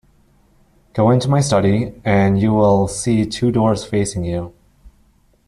Go into my study, and you will see two doors facing you.